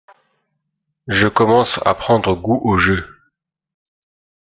Je commence à prendre goût au jeu.